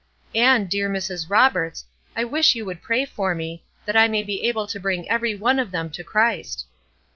"And, dear Mrs. Roberts, I wish you would pray for me, that I may be able to bring every one of them to Christ."